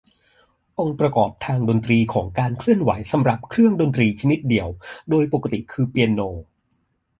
องค์ประกอบทางดนตรีของการเคลื่อนไหวสำหรับเครื่องดนตรีชนิดเดี่ยว โดยปกติคือเปียโน